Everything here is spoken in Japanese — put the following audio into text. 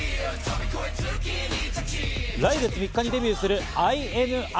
来月３日にデビューするＩＮＩ。